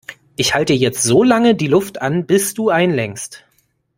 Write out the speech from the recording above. Ich halte jetzt so lange die Luft an, bis du einlenkst.